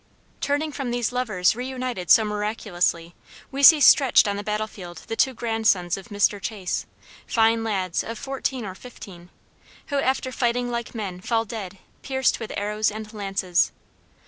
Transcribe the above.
Turning from these lovers reunited so miraculously, we see stretched on the battle field the two grandsons of Mr. Chase, fine lads of fourteen or fifteen, who after fighting like men fall dead pierced with arrows and lances.